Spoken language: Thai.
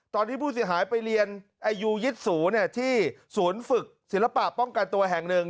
ตอนที่ผู้เสียหายไปเรียนอายุยิตสูที่ศูนย์ฝึกศิลปะป้องกันตัวแห่งหนึ่ง